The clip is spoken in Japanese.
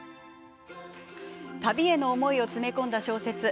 旅への思いを詰め込んだ小説